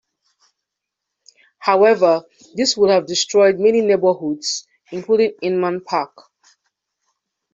However, this would have destroyed many neighborhoods including Inman Park.